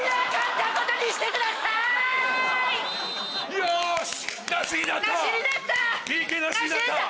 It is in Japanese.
よし！